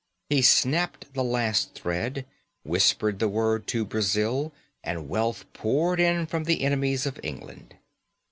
He snapped the last thread, whispered the word to Brazil, and wealth poured in from the enemies of England.